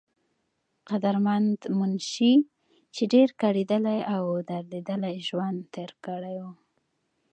قدرمند منشي، چې ډېر کړېدلے او درديدلے ژوند تير کړے وو